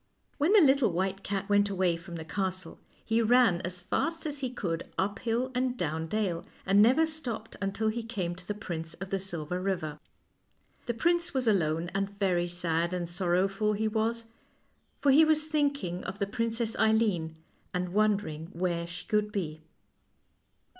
When the little white cat went away from the castle he ran as fast as he could up hill and down dale, and never stopped until he came to the Prince of the Silver River. The prince was alone, and very sad and sorrowful he was, for he was thinking of the Princess Eileen, and wonder ins: where she could be.